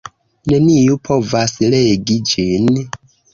Neniu povas legi ĝin.